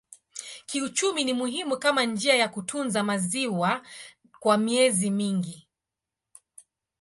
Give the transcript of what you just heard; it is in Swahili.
Kiuchumi ni muhimu kama njia ya kutunza maziwa kwa miezi mingi.